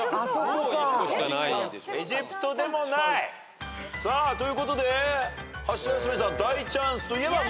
エジプトでもない！ということでハシヤスメさん大チャンスといえば。